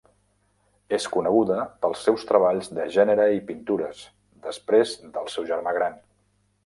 És coneguda pels seus treballs de gènere i pintures després del seu germà gran.